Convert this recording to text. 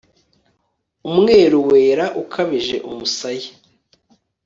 Umweru wera ukabije umusaya